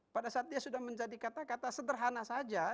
pada saat dia sudah menjadi kata kata sederhana saja